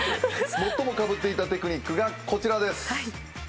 最もかぶっていたテクニックがこちらです。